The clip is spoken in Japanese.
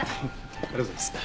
ありがとうございます。